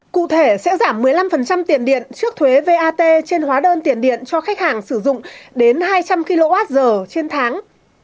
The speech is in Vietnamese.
cụ thể sẽ giảm một mươi năm tiền điện trước thuế vat trên hóa đơn tiền điện cho khách hàng sử dụng đến hai trăm linh kwh trên tháng